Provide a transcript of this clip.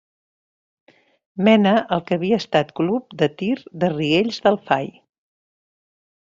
Mena al que havia estat club de tir de Riells del Fai.